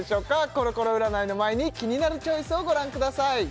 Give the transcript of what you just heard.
コロコロ占いの前に「キニナルチョイス」をご覧ください